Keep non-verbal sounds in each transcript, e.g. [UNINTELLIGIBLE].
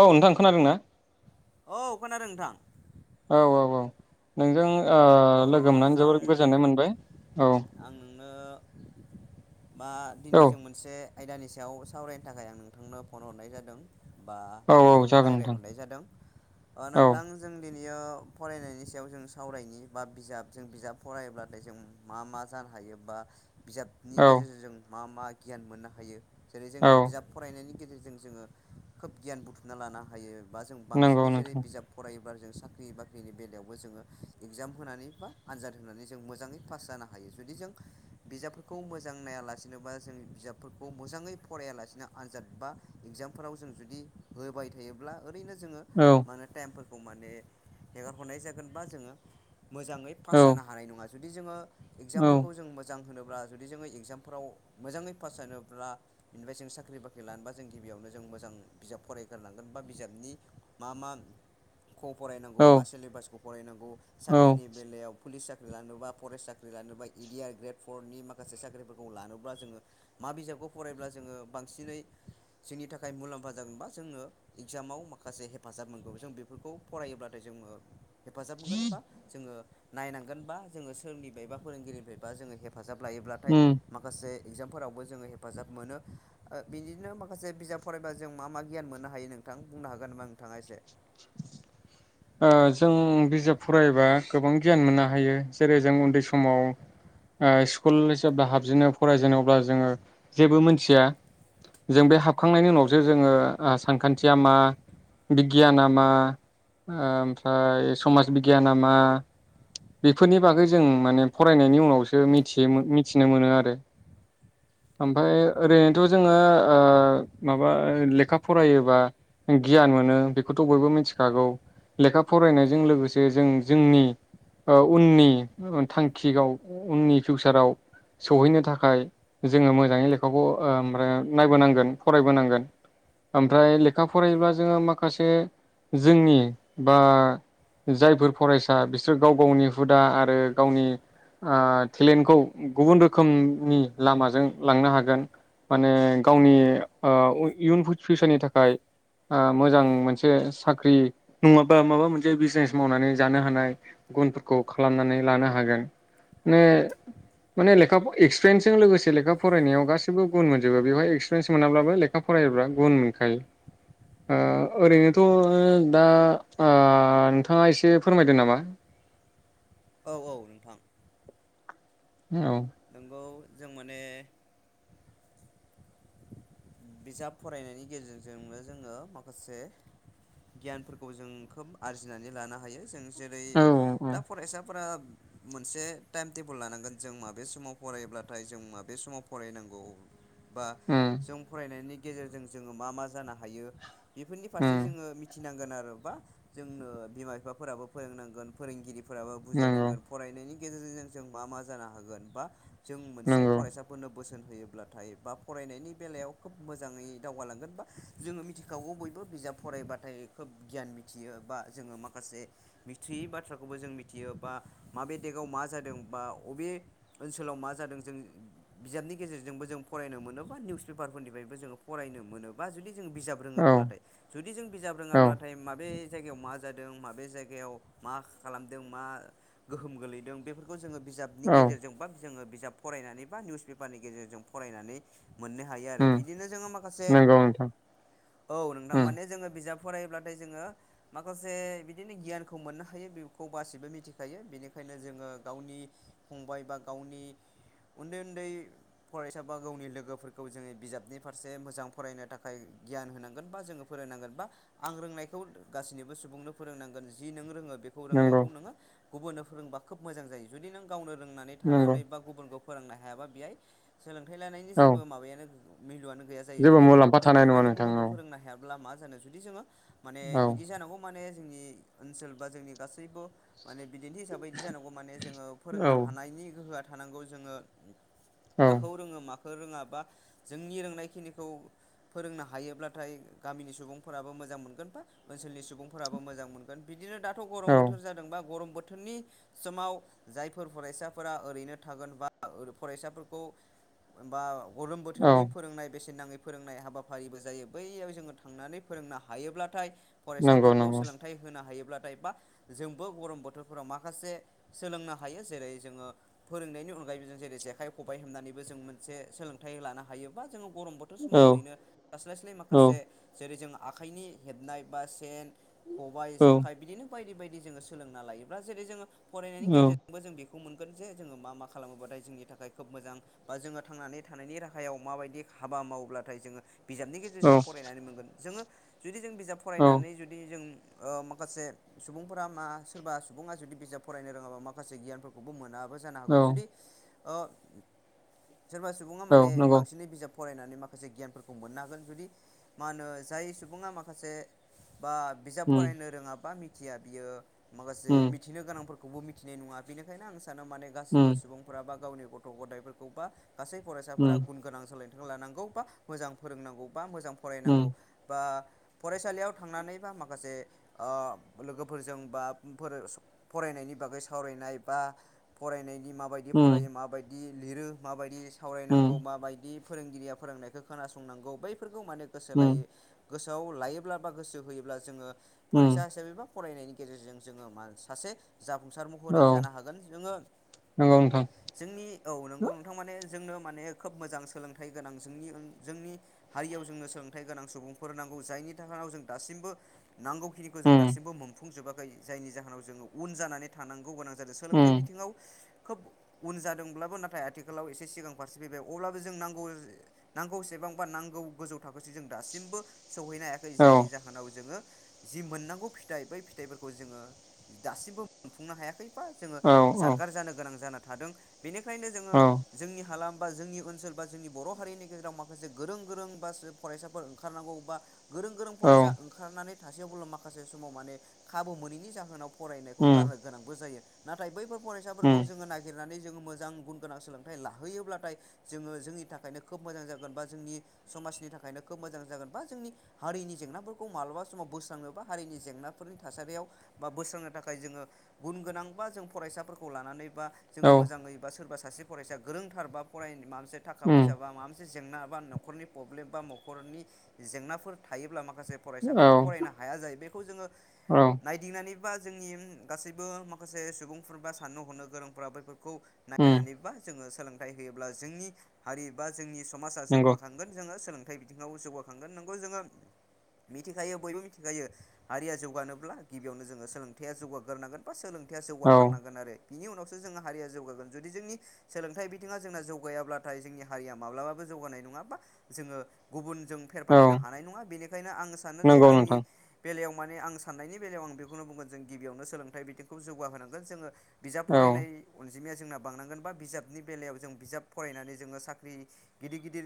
औ नोंथां खोनादों ना? औ खोनादों नोंथां। औ औ औ नोंजों ओ अ लोगो मोननानै नोंथां जोबोर गोजोननाय मोनबाय औ आं नोंनो मा औ दिनै जों मोनसे आयदानि सायाव सावरायनो थाखाय आं नोंथांनो फन हरनाय जादों। बा औ औ नोंजों जागोन नोंथां रायजलायहरनाय जादों औ नोंथां जों दिनैयो फरायनायनि सायाव जों सावरायनायनि बा बिजाब जों बिजाब फरायब्लाथाय जों मा मा जानो हायो बा बिजाबनि औ गेजेरजों मा मा गियान मोननो हायो? जेरै जों औ बिजाब फरायनायनि गेजेर गेजेरजों जोङो खोब गियान बुथुमना लानो हायो। बा जों नंगौ बांसिनै जेरै नोंथां बिजाब फराय जों साख्रि बाख्रिनि बेलायावबो जोङो इगजाम होनानै बा आनजाद होनानै जों मोजाङै पास जानो हायो। जुदि जों बिजाबफोरखौ मोजां नायालासिनो बा जों बिजाबफोरखौ मोजाङै फरायालासेनो आनजाद बा इगजामफोराव जों जुदि होबाय थायोब्ला ओरैनो जोंङो औ मानो टाइम फो रखौ माने हेगारहरनाय जागोनबा जोङो मोजाङै पास औ जानो हानाय नङा। जुदि जोङो इगजामफोरखौ जों मोजां होनो ब्ला जुदि जोङो इगजामफ्राव मोजाङै पास जानोब्ला बेनिफ्राय जों साख्रि बाख्रि लानोबा जों गिबियावनो जों मोजां बिजाब फरायग्रोनांगोन बा बिजाबनि मा मा खौ फरायनांगौ औ मा सिलेबासखौ फरायनांगौ। औ साख्रिनि बेलायाव पुलिस सा ख्रि लानोबा, फरेस्ट साख्रि लानोबा, इडिया ग्रेट फरनि माखासे साख्रिफोरखौ लानोब्ला जोङो मा बिजाबखौ फरायब्ला जोङो बांसिनै जोंनि थाखाय मुलाम्फा जागोनबा जोङो इगजामाव माखासे हेफाजाब मोनगौ जों बेफोरखौ फरायोब्लाथाय जोङो हेफाजाब मोनगोन बा ओ नायनांगोन बा जोङो सोरनिफ्राय बा फोरोंगिरिनिफ्रायबा जोङो हेफाजाब लायोब्लाथाय उम माखासे इगजामफोरावबो जोङो हेफाजाब मोनो बिदिनो माखासे बिजाब फरायबा जों मा मा गियान मोननो हायो नोंथां बुंनो हागोन नामा नोंथाङा एसे [UNINTELLIGIBLE] जों बिजाब फरायबा गोबां गियान मोननो हायो जेरै जों उन्दै समाव स्कुल जेब्ला हाबजेनो फरायजेनो अब्ला जोङो जेबो मोनथिया जों बे हाबखांनायनि उनावसो जोङो सानखान्थिया मा बिगियाना मा ओमफ्राय समाज बिगियाना मा बेफोरनि बागै जों माने फरायनायनि उनावसो मिथियो मिथिनो मोनो आरो ओमफ्राय ओरैनोथ' जोङो ओ माबा लेखा फरायोबा गियान मोनो बेखौथ' बयबो मिथिखागौ। लेखा फरायनायजों लोगोसे जों जोंनि उननि थांखियाव उननि फिउसाराव सहैनो थाखाय जोङो मोजाङै लेखाखौ ओमफ्राय नायबोनांगोन फरायबोनांगोन ओमफ्राय लेखा फरायोब्ला जोङो माखासे जोंनि बा जायफोर फरायसा बिसोरो गाव गावनि हुदा आरो गावनि टेलेन्टखौ गुबुन रोखोमनि लामाजों लांनो हागोन माने गावनि इयुन फिउसारनि थाखाय मोजां मोनसे साख्रि नङाबा माबा मोनसे बिजनेस मावनानै जानो हानाय गुनफोरखौ खालामनानै लानो हागोन माने माने लेखा एक्सपिरियेन्सजों लोगोसे लेखा फरायनायाव गासिबो गुन मोनजोबो बेवहाय एक्सपिरियेन्स मोनाब्लाबो लेखा फरायोब्ला गुन मोनखायो ओरैनोथ' दा नोंथाङा एसे फोरमायदो नामा? औ औ नोंथां। औ। नोंगौ जों माने बिजाब फरायनायनि गेजेरजोंनो जोङो माखासे गियानफोरखौ जों खोब आरजिनानै लानो हायो जों जेरै दा उम फरायसाफोरा मोनसे टाइम टेबोल लानांगोन जों माबे समाव फरायब्लाथाय जों माबे समाव फरायनांगौ। बा जों फरायनायनि गेजेरजों जोङो मा मा जानो हायो। बेफोरनि फारसे उम जोङो मिथि मिथिनांगोन आरो बा जोंनो बिमा बिफाफोराबो फोरोंनांगोन फोरोंगिरि फोराबो नंगौ बुजायनांगोन फरायनायनि गेजेरजों जों मा मा जानो हागोन बा जों मोनसे नंगौ फरायसाफोरनो बोसोन होयोब्लाथाय बा फरायनायनि बेलायाव खोब मोजाङै दावगालांगोन बा जोङो मिथिखागौ बयबो बिजाब फरायबाथाय खोब गियान मिथियो बा जोङो माखासे मिथियै बाथ्राखौबो जों मिथियो बा माबे देगाव मा जादों बा बबे ओनसोलाव मा जादों जों बिजाबनि गेजेरजोंबो जों फरायनो मोनोब बा निउसेपार पेपारफोरनिफ्रायबो जोङो फरायनो मोनो बा जुदि जों बिजाब औ रोङोब्लाथाय जुदि जों बिजाब औ रोङाब्लाथाय माबे बे जायगायाव मा जादों माबे जायगायाव मा खालामदों मा गोहोम गोलैदों बेफोरखौ जोङो बिजाबनि औ गेजेरजों बा जोङो बिजाब फरायनानै बा निउसपेपारनि गेजेरजों फरायनानै मोननो हा आरो उम बिदिनो जोङो माखासे नंगौ नोंथां औ नोंथां उम माने जोङो बिजाब फरायोब्लाथाय जोङो माखासे बिदिनो गियानखौ मोननो हायो बेखौ गासिबो मिथिखायो बेनिखायनो जोङो गावनि फंबाय बा गावनि उन्दै उन्दै फरायसा बा गावनि लोगोफोरखौ खौ जोङो बिजाबनि फारसे मोजां फरायनो थाखाय गियान होनांगोन बा जोङो फोरोंनांगोन बा आं रोंनायखौ गासैसिनिबो सुबुंनो फोरोंनांगोन जि नों रोङो। बेखौ नंगौ रोंनायखौ नोङो गुबुननो फोरोंबा खोब मोजां जायो जुदि नों गावनो रोंनानै नंगौ थानानै बा गुबुनखौ फोरोंनो हायाबा बेहाय सोलोंथाइ लानायनि जे औ भेलुवानो गैया जायो जेबो जुदि मुलाम्फा नों थानाय नङा रोंनानै नोंथां गुबुनखौ औ फोरोंनो हाया मा जानो जुदि जोङो माने औ इदि जानांगौ माने जोंनि ओनसोल बा जोंनि गासैबो माने बिदिन्थि हिसाबै बिदि जानांगौ माने जोङो औ फोरोंनो हानायनि गोहोआ थानांगौ जोङो औ माखौ रोङो मा फोरोङा बा जोंनि रोंनायखिनिखौ फोरोंनो हायोब्लाथाय गामिनि सुबुंफोराबो मोजां मोनगोन बा ओनसोलनि सुबुंफोराबो मोजां मोनगोन बि बिदिनो दाथ' गरम औ बोथोर जादोंबा गरम बोथ बोथोरनि समाव जायफोर फरायसाफोरा ओरैनो थागोन बा फरायसाफोरखौ बा गरम औ बोथोरनि फोरोंनाय बेसेन नाङै फोरोंनाय हाबाफारिबो जायो बैयाव जोङो थांनानै फोरोंनो हायोब्लाथाय नंगौ फरायसाफोरखौ नंगौ सोलोंथाइ होनो हायोब्ला बा जोंबो गरम बोथोरफोराव माखासे सोलोंनो हायो जेरै जोङो फोरोंनायनि अनगायैबो जों जेरै जेखाइ खबाइ होननानैबो जों मोनसे सोलों थाय लानो हायोबा जोङो गरम बोथोर औ समाव ओरैनो थास्लायस्लाय औ माखासे जेरै जों आखाइनि हेबनाय बा सेन, खबाइ, औ जेखाय बिदिनो बायदि-बायदि जोङो सोलोंना लायोब्ला जेरै जोङो फरायनायनि गेजेरजोंबो जों बे खौ मोनगोन जे जोङो मा मा खालामोबाथाय जोंनि थाखाय खोब मोजां बा जोङो थांनानै थानायनि राहायाव माबायदि हाबा मावोब्लाथाय जोङो बिजाबनि औ गेजेरजों जों फरायनानै मोनगोन जोङो जुदि जों बिजाब औ फरायनानै जुदि जों अ माखासे सुबुंफोरा मा सोरबा सुबुङा जुदि बिजाब फरायनो रोङाबा माखासे गियानफोरखौबो मोना बोजानो हागौ औ जुदि अ सोरबा सुबुङा औ माने नंगौ बांसिनै बिजाब फरायनानै माखासे गियानफोरखौ मोननो हागोन जुदि मा होनो जाय सुबुङा माखासे बा बिजाब उम फरायनो रोङाबा मि थिया बियो माखासे उम मिथिनो गोनांफोर खौबो मिथिनाय नङा बेनिखायनो आं सानो माने उम गासिबो सुबुंफोरा बा गावनि गथ' गथायफोरखौ बा गासै फरायसाफोरा गुन गोनां सोलायदों लानांगौ बा मोजां फोरोंनांगौ। बा मोजां उम फरायनांगौ बा फरायसालियाव थांनानै बा माखासे ओ लोगोफोरजों बा फरायनायनि बागै सावरायनाय बा फराय माबायदि उम फरायो माबायदि लिरो माबायदि उम सावरायनांगौ माबायदि फोरोंगिरिया फोरोंनायखौ खोनासंनांगौ बै फोरखौ माने गोसो उम लायै गोसोआव लायोब्ला बा गोसो होयोब्ला जोङो फरायसा उम हिसाबै बा फरायनायनि गेजेरजों जोङो मा सासे जाफुंसार महरै औ जानो हागोन जोङो नंगौ नोंथां जोंनि औ नोंगौ नोंथां माने जोंनो माने खोब मोजां सोलोंथाइ गोनां जोंनि जोंनि हारियाव जोंनो सोलोंथाइ गोनां सुबुंफोर नांगौ जायनि थाखा [UNINTELLIGIBLE] नाव जों दासिमबो नांगौखिनिखौ जों उम दासिमबो मोनफुंजोबा [UNINTELLIGIBLE] जायनि जाहोनाव जोङो उन जानानै थानांगौ गोनां [UNINTELLIGIBLE] सोलोंथाइ उम बिथिङाव उन जादोंब्लाबो नाथाय आथिखालाव एस सिगां फारसे फैबाय अब्लाबो जों नांगौ नांगौसेबांबा नांगौ गोजौ थाखोसिम जों दासिमबो सौहैनो हायाखै औ जायनि जाहोनाव जोङो जि मोननांगौ फिथाइ बै फिथाइफोरखौ जोङो दासिमबो मोनफुंनो हायाखै जोङो औ औ जानगार जानो गोनां जाना थादों बेनिखायनो औ जोङो हालाम बा जोंनि ओनसोल बा जोंनि बर' हारिनि गेजेराव माखासे गोरों गोरों बा फरायसाफोर ओंखारनांगौ बा गोरों गोरों औ फरायसा ओंखारनानै थासेयावब्ला माखासे समाव माने खाबु मोनैनि जाहोनाव फरायनायखौ उम गारनो गोनांबो जायो नाथाय बैफोर फरायसाफोरखौ उम जोङो नागिरनानै जोङो मोजां गुन गोनां सोलों नाथाय लाहोयोब्लाथाय जोङो जोंनि थाखायनो खोब मोजां जागोन बा जोंनि समाजनि थाखायनो खोब मोजां जागोन बा जोंनि हारिनि जेंनाफोरखौ मालाबा समाव बोस्राङनो बा हारिनि जेंनाफोरनि थासारियाव बा बोस्रांनो थाखाय जोङो गुन गोनां बा जों फरायसाफोरखौ लानानै बा जोङो औ मोजाङैबा सोरबा फरायसा गोरोंथार बा फराय माबासे थाखा उम फैसा बा माबा मोनसे जेंना बा न'खरनि प्रब्लेम बा न'खरनि जेंनाफोर थायोब्ला माखासे औ फरायसाफोरा फरायनो हाया जायो। बेखौ जोङो नायदिंनानैबा जोंनि ओम गासैबो माखासे सुबुंफोर बा साननो हनो गोरोंफोरा बैफोरखौ उम नायनानैबा जोङो सोलोंथाइ होयोब्ला जोंनि हारि बा जोंनि समाजा नंगौ जौगाखांगोन जोङो सोलों मोनफ्रोम बिथिङाव जौगाखांगोन नोंगौ जोङो मिथिखायो बयबो मिखायो हारिया जौगानोब्ला गिबियावनो जोङ सोलोंथाया जौगोनांगोन बा सोलों औ जौगाथारनांगोन आरो बिनि उनावसो जोंनि हारिया जौगागोन जुदि जोंनि सोलोंथाइ बिथिङा जोंना जौगायाब्लाथाय जोंनि हारिया माब्लाबाबो जौगानाय नङा बा जोङो गुबुन जों फेर औ फाथिनो हानाय नङा बेनिखायनो आं सानो जे नंगौ आंनि नोंथां बेलायाव माने आं साननायनि बेलायाव आं बेखौनो बुंगोन जों गिबियावनो सोलोंथाइ बिथिंखौ जौगाहोनांगोन जोङो। बिजाब औ फरायनायन अनजिमाया जोंना बांनांगो बा बिजाब बिजाबनि बेलायाव जों बिजाब फरायनानै जोङो साख्रि गिदिर गिदिर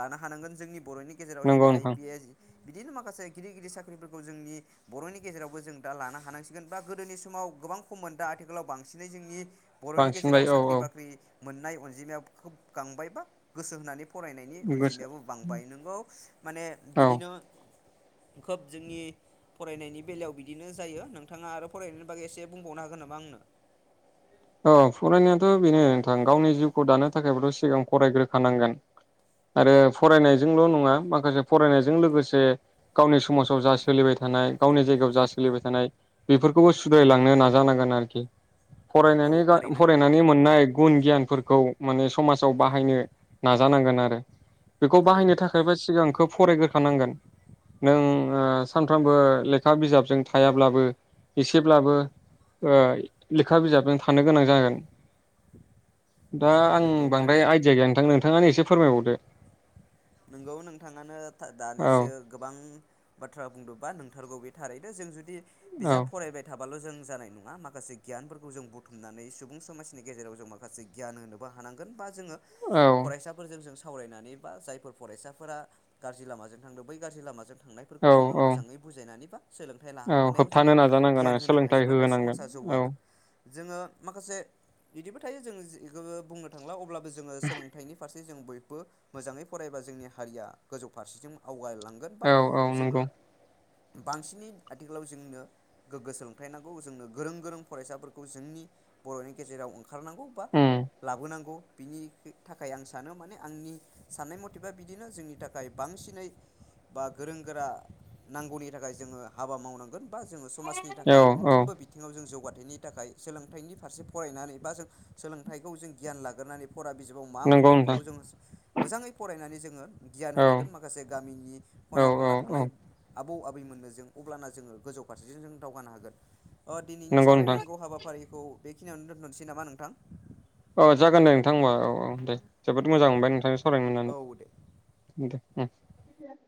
लानो हानांगोन जोंनि बर'नि गेजेराव जेरै नंगौ आइ नोंथां पि एस बिदिनो माखासे गिदिर गिदिर साख्रिफोरखौ जोंनि बर'नि गेजेरावबो जों दा लानो हानांसिगोन बा गोदोनि समाव गोबां खममोन दा आथिखालाव बांसिनै जोंनि बर'नि बांसिनबाय गेजेराव औ साख्रि औ बाख्रि मोननाय अनजिमाया खोब गांबाय बा गोसो होनानै फरायनायनि गोसो अनजिमायाबो बांबाय नोंगौ माने औ बिदिनो खोब जोंनि फरायनायनि बेलायाव बिदिनो जायो नोंथाङा आरो फरायनायनि बागै एसे बुंबावनो हागोन नामा आंनो? औ फरायनायाथ' बेनो नोंथां गावनि जिउखौ दानो थाखायबोथ' सिगां फरायग्रोख नांगोन आरो फरायनायजोंल' नङा माखासे फरायनायजों लोगोसे गावनि समाजाव जा सोलिबाय थानाय गावनि जायगायाव जा सोलिबाय थानाय बेफोरखौबो सुद्रायलांनो नाजानांगोन आरोखि। औ फराय थारैनो नोंथां। फरायनानै मोननाय गुन गियान फोरखौ माने समाजाव बाहायनो नाजानांगोन आरो बेखौ बाहायनो थारैनो थाखायबा सिगां खोब फरायग्रोखानांगोन नों सानफ्रोमबो लेखा बिजाबजों थायाब्लाबो एसेब्लाबो खोथा बिजाबजों थानो गोनां जागोन दा आं नोंगौ बांद्राय थारैनो आइडिया गैया नोंथांनो नोंथांनानै एसे फोरमायबावदो। नोंगौ नोंथाङानो औ दानिसो गोबां बाथ्रा बुंदोंबा नोंथारगौ बे थारैनो जों जुदि औ बिजाब फरायबाय थाबाय हाबाल' जों जानाय नङा माखासे गियानफोरखौ जों बुथुमनानै सुबुं समाजनि गेजेराव जों माखासे गियान होनोबो हानांगोन। बा जोङो औ फरायसाफोरजों जों सावरायनानै बा जायफोर फरायसाफोरा गाज्रि लामाजों थांदों बै गाज्रि लामाजों थांनायफोरखौ औ जोङो औ मोजाङै बुजायनानै बा सोलोंथायाइ औ लाहोनायाव होबथानो जोङो नाजानांगोन गियान आं होनो सोलोंथाइ हायोब्लाथाय होहोनांगोन समाजा औ जौगागोन। जोङो माखासे बिदिबो थायो जोखौ बुंनो थांला अब्ला जों सोलोंथाइनि फारसे जों बयबो मोजाङै फरायबा जोंनि हारिया गोजौ फारसेथिंजों आवगायलां गोन बा औ औ जोंङो नंगौ बांसिनै आथिखालाव जोंनो गोग्गो सोलोंथाइ नांगौ जोंनो गोरों गोरों फरायसाफोरखौ जोंनि बरनि गेजेराव ओं खारनांगौ बा उम लाबोनांगौ बिनि थाखाय आं सानो माने आंनि साननाय मथेबा बिदिनो जोंनि थाखाय बांसिनै बा गोरों गोरा नांगौनि थाखाय जोङो हाबा मावनांगोन बा जोङो समाजनि थाखाय औ औ मोनफ्रोमबो बिथिङाव जों जौगा थाखाय सोलोंथाइनि फारसे फरायनानै बा जों सोलोंथाइखौ जों गियान लाग्रोनानै फरा बिजाबाव मा नंगौ मोनदों नोंथां बेखौ जों मोजाङै फरायनानै जोङो गियान औ होनांगोन माखासे गामिनि औ खना औ खनला औ थानाय आबौ आबैमोननो जों अब्ला जोङो गोजौ फारसेजों जों दावगानो हागोन अ दिनैनि नंगौ नोंथां सावरायनांगौ हाबाफारि बे खौ बेखिनियावनो दोन्थनोसै नामा नोंथां औ जागोन दे नोंथां होमबा औ औ दे जोबोद मोजां मोनबाय नोंथांजों सावरायनो मोननानै औ दे [UNINTELLIGIBLE]